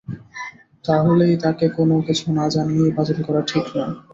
তাহলেই তাকে কোনো কিছু না জানিয়েই বাতিল করা ঠিক নয়।